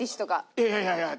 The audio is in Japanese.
いやいやいや。